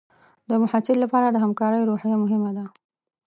د محصل لپاره د همکارۍ روحیه مهمه ده.